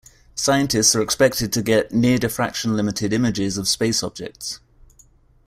Scientists are expected to get near diffraction-limited images of space objects.